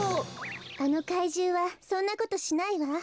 あのかいじゅうはそんなことしないわ。